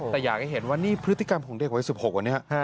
แต่อยากให้เห็นว่านี่พฤติกรรมของเด็กวัย๑๖วันนี้